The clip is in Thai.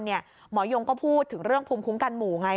หมอยงก็พูดถึงเรื่องภูมิคุ้มกันหมู่ไง